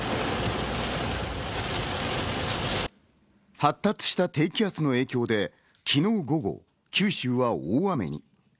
発達した低気圧の影響で昨日午後、九州は大雨に。